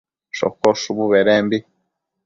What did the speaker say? shocosh shubu bedembi